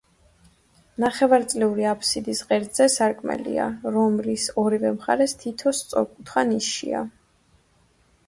ნახევარწრიული აფსიდის ღერძზე სარკმელია, რომლის ორივე მხარეს თითო სწორკუთხა ნიშია.